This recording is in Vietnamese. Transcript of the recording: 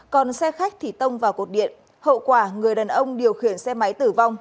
còn xe khách thì tông vào cột điện hậu quả người đàn ông điều khiển xe máy tử vong